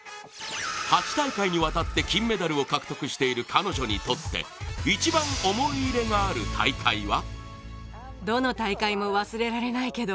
８大会にわたって、金メダルを獲得している彼女にとって一番思い入れがある大会は？